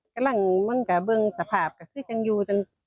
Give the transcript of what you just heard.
กำลังเบื้องสภาพก็อยู่